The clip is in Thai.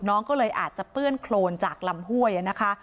น้องก็เลยอาจจะเปื้อนโครนจากลำห้วยนะคะ